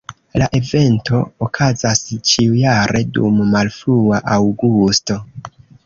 La evento okazas ĉiujare dum malfrua aŭgusto.